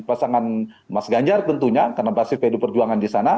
pasangan mas ganjar tentunya karena basis pd perjuangan di sana